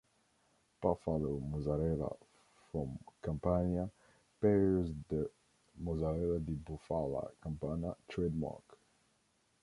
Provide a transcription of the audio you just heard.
Buffalo mozzarella from Campania bears the "Mozzarella di Bufala Campana" trademark.